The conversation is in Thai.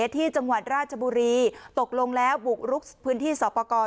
ที่จังหวัดราชบุรีตกลงแล้วบุกรุกพื้นที่สอบประกอบ